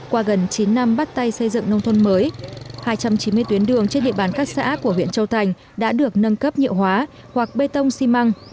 qua gần chín năm bắt tay xây dựng nông thôn mới hai trăm chín mươi tuyến đường trên địa bàn các xã của huyện châu thành đã được nâng cấp nhựa hóa hoặc bê tông xi măng